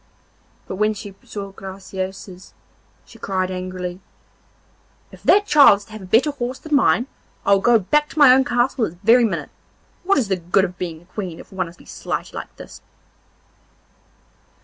But when she saw Graciosa's she cried angrily: 'If that child is to have a better horse than mine, I will go back to my own castle this very minute. What is the good of being a Queen if one is to be slighted like this?